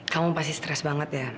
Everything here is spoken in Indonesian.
kamu pasti stres banget ya